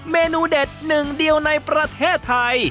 เมนูเด็ดหนึ่งเดียวในประเทศไทย